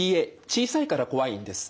小さいから怖いんです。